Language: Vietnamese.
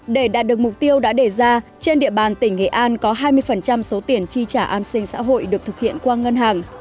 để đạt được mục tiêu đã đề ra trên địa bàn tỉnh nghệ an có hai mươi số tiền chi trả an sinh xã hội được thực hiện qua ngân hàng